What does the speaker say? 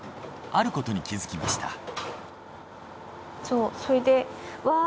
あることに気づきました。